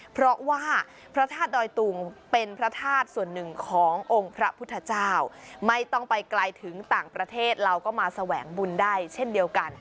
เพราะว่าพระธาตุดอยตุงเป็นพระธาตุส่วนหนึ่งขององค์พระพุทธเจ้าไม่ต้องไปไกลถึงต่างประเทศเราก็มาแสวงบุญได้เช่นเดียวกัน